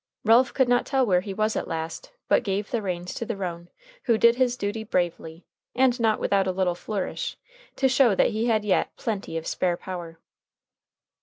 Ralph could not tell where he was at last, but gave the reins to the roan, who did his duty bravely, and not without a little flourish, to show that he had yet plenty of spare power.